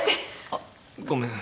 あっごめん。